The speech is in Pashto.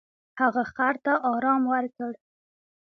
هغه خر ته ارام ورکړ.